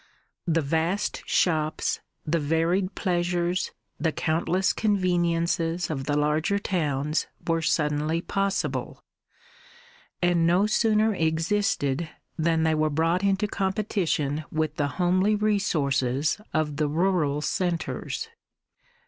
The vast shops, the varied pleasures, the countless conveniences of the larger towns were suddenly possible, and no sooner existed than they were brought into competition with the homely resources of the rural centres.